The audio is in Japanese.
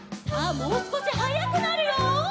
もうすこしはやくなるよ。